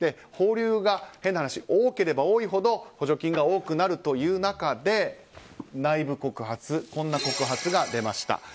放流が変な話、多ければ多いほど補助金が多くなるという中で内部告発、こんな告発が出ました。